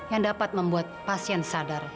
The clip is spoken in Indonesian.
yang dapat membuat pasien sadar